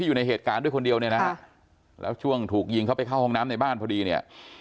อยู่ในเหตุการณ์ด้วยคนเดียวเนี่ยนะฮะแล้วช่วงถูกยิงเข้าไปเข้าห้องน้ำในบ้านพอดีเนี่ย